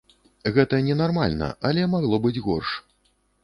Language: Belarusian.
Гэта ненармальна, але магло быць горш.